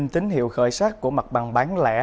tính hiệu khởi sát của mặt bằng bán lẻ